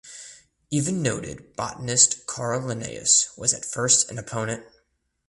Even noted botanist Carl Linnaeus was at first an opponent.